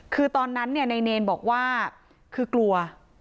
คือตอนนั้นเนี่ยนายเนรบอกว่าคือกลัว